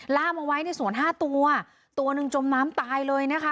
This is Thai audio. ล่ามเอาไว้ในสวนห้าตัวตัวหนึ่งจมน้ำตายเลยนะคะ